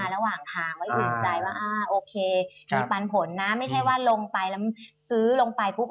ระหว่างทางไว้อื่นใจว่าโอเคมีปันผลนะไม่ใช่ว่าลงไปแล้วซื้อลงไปปุ๊บ